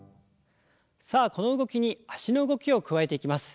さあこの動きに脚の動きを加えていきます。